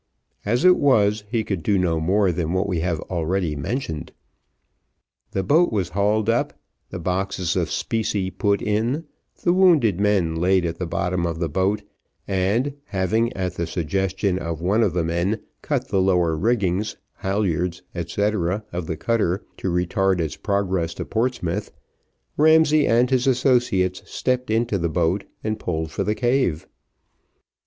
As it was, he could do no more than what we have already mentioned. The boat was hauled up, the boxes of specie put in, the wounded men laid at the bottom of the boat, and having, at the suggestion of one of the men, cut the lower riggings, halyards, &c., of the cutter to retard its progress to Portsmouth, Ramsay and his associates stepped into the boat, and pulled for the cave.